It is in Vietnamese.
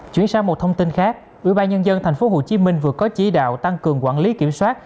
chuyển sang một thông tin khác ủy ban nhân dân tp hcm vừa có chỉ đạo tăng cường quản lý kiểm soát